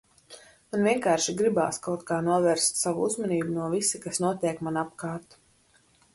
Man vienkārši gribās kaut kā novērst savu uzmanību no visa kas notiek man apkārt.